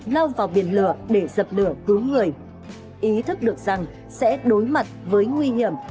lao vào biển lửa để dập lửa cứu người ý thức được rằng sẽ đối mặt với nguy hiểm